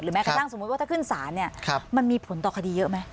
แม้กระทั่งสมมุติว่าถ้าขึ้นศาลเนี่ยมันมีผลต่อคดีเยอะไหม